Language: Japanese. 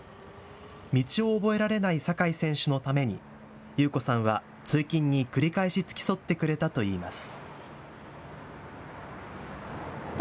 道を覚えられない酒井選手のために裕子さんは通勤に繰り返し付き添ってくれたといいます。